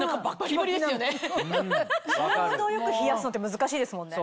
ちょうどよく冷やすのって難しいですもんね。